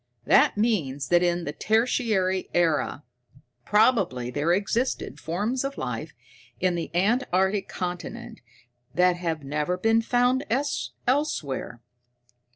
"That means that in the Tertiary Era, probably, there existed forms of life in the antarctic continent that have never been found elsewhere.